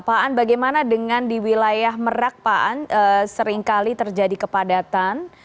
pak an bagaimana dengan di wilayah merak pak an seringkali terjadi kepadatan